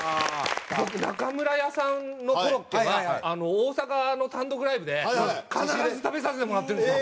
僕中村屋さんのコロッケは大阪の単独ライブで必ず食べさせてもらってるんですよ。